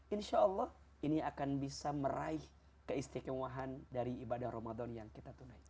insya allah ini akan bisa meraih keistimewahan dari ibadah ramadan yang kita tunai